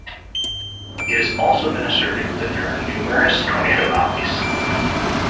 It has also been asserted that there are numerous Tornado Alleys.